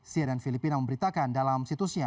siden filipina memberitakan dalam situsnya